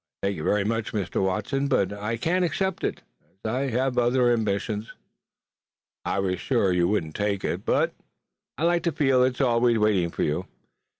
"I thank you very much, Mr. Watson, but I can't accept it, as I have other ambitions." "I was sure you wouldn't take it, but I like to feel it's always waiting for you.